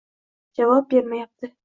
Javob bermayapti.